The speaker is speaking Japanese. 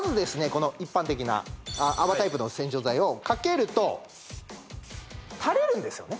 この一般的な泡タイプの洗浄剤をかけるとたれるんですよね